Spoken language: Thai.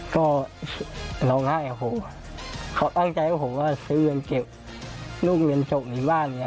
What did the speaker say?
ก็เราง่ายกับผมเขาตั้งใจให้ผมซื้อเงินเก็บลูกเงินโชคในบ้าน